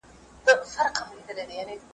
چي هوښيار دي نن سبا ورنه كوچېږي .